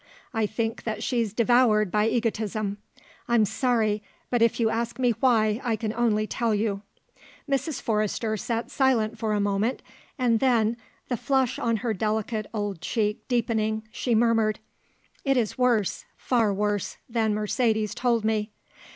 I think that she's devoured by egotism. I'm sorry. But if you ask me why, I can only tell you." Mrs. Forrester sat silent for a moment, and then, the flush on her delicate old cheek deepening, she murmured: "It is worse, far worse, than Mercedes told me.